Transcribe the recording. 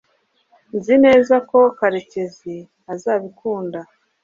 nzi neza ko karekezi azabikunda